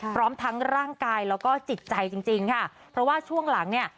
พร้อมทั้งร่างกายแล้วก็จิตใจจริงจริงค่ะเพราะว่าช่วงหลังเนี่ย